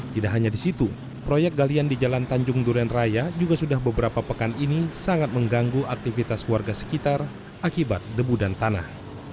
tidak hanya di situ proyek galian di jalan tanjung duren raya juga sudah beberapa pekan ini sangat mengganggu aktivitas warga sekitar akibat debu dan tanah